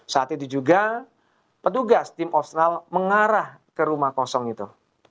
saat itu juga petugas tim austral mengarah ke rumah kosong itu